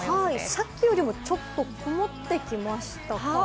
さっきよりも、ちょっと曇ってきましたかね。